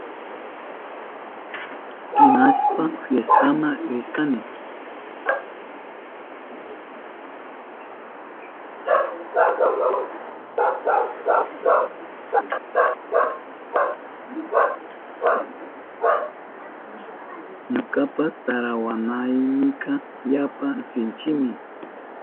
Ñukapa tarawanaynika yapa sinchimi.